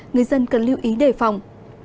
người dân cần lưu ý đề phòng